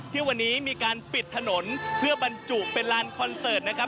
ที่วันนี้มีการปิดถนนเพื่อบรรจุเป็นลานคอนเสิร์ตนะครับ